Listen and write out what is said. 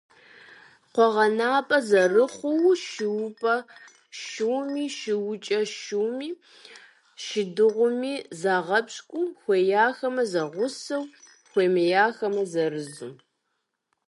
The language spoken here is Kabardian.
КъуэгъэнапӀэ зэрыхъуу шуупэ шуми, шуукӀэ шуми, шыдыгъуми загъэпщкӀу, хуейхэмэ, зэгъусэу, хуэмейхэмэ, зырызу.